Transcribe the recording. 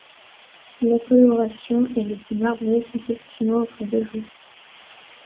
La coloration et l’effet marbré sont optimaux après deux jours.